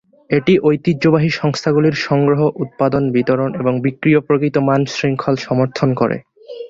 এটি ঐতিহ্যবাহী সংস্থাগুলির সংগ্রহ, উৎপাদন, বিতরণ "এবং বিক্রয় প্রকৃত মান শৃঙ্খল" সমর্থন করে।